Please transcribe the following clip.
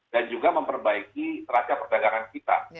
dan juga memperbaiki raca perdagangan kita